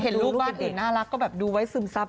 เห็นลูกบ้านอื่นน่ารักก็แบบดูไว้ซึมซับ